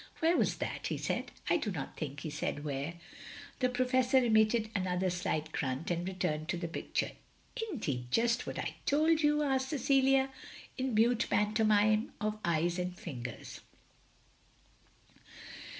"Where was that?" he said. " I do not think he said where. " The Professor emitted another slight grunt, and rettimed to the picture. " Is n't he just what I told you?" asked Cecilia, in mute pantomine of eyes and fingers.